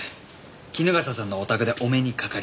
衣笠さんのお宅でお目にかかりました。